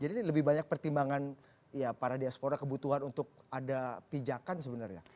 jadi ini lebih banyak pertimbangan para diaspora kebutuhan untuk ada pijakan sebenarnya